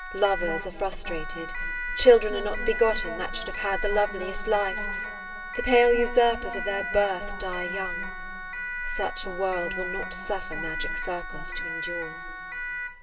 Lovers are frustrated; children are not begotten that should have had [Page 158] the loveliest life; the pale usurpers of their birth die young. Such a world will not suffer magic circles to endure.